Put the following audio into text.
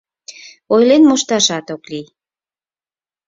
Ойлен мошташат ок лий.